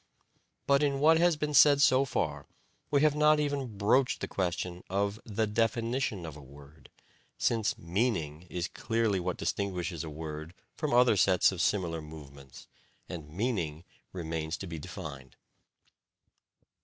But in what has been said so far we have not even broached the question of the DEFINITION of a word, since "meaning" is clearly what distinguishes a word from other sets of similar movements, and "meaning" remains to be defined.